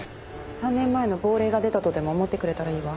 ３年前の亡霊が出たとでも思ってくれたらいいわ。